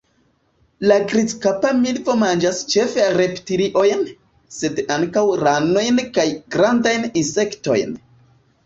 La Grizkapa milvo manĝas ĉefe reptiliojn, sed ankaŭ ranojn kaj grandajn insektojn.